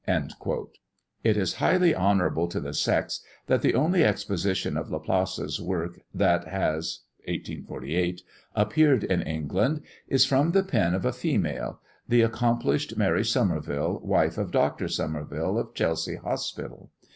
Footnote 3: It is highly honourable to the sex, that the only exposition of Laplace's work that has (1848) appeared in England, is from the pen of a female the accomplished Mary Somerville, wife of Dr. Somerville, of Chelsea Hospital.